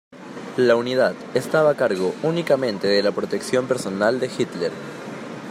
La unidad estaba a cargo únicamente de la protección personal de Hitler.